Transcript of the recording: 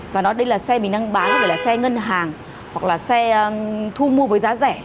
và nói đây là xe mình đang bán rồi là xe ngân hàng hoặc là xe thu mua với giá rẻ